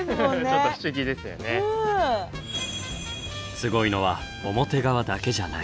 すごいのは表側だけじゃない。